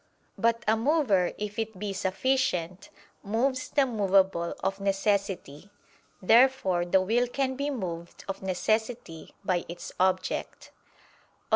But a mover, if it be sufficient, moves the movable of necessity. Therefore the will can be moved of necessity by its object. Obj.